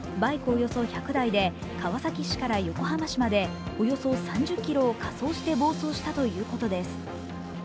およそ１００台で川崎市から横浜市までおよそ３０ｋｍを仮装して暴走したということです。